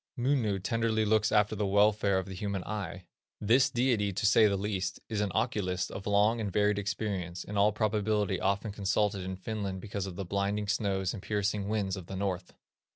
Munu tenderly looks after the welfare of the human eye. This deity, to say the least, is an oculist of long and varied experience, in all probability often consulted in Finland because of the blinding snows and piercing winds of the north.